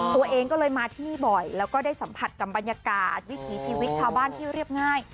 ตัวเองก็เลยมาที่นี่บ่อยแล้วก็ได้สัมผัสกับบรรยากาศวิถีชีวิตชาวบ้านที่เรียบง่าย